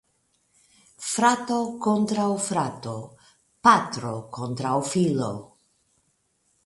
Frato kontraŭ frato, patro kontraŭ filo.